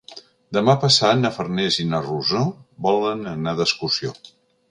Demà passat na Farners i na Rosó volen anar d'excursió.